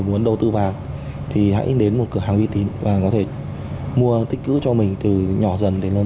cho đầu tư vàng thì hãy đến một cửa hàng uy tín và có thể mua tích cữ cho mình từ nhỏ dần đến lớn